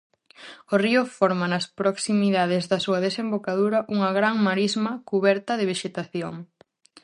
O río forma nas proximidades da súa desembocadura unha gran marisma cuberta de vexetación.